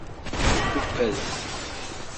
Ugadent.